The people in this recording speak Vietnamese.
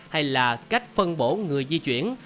hay là cách phân bổ người di chuyển